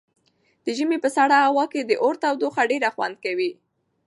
د ژمي په سړه هوا کې د اور تودوخه ډېره خوند ورکوي.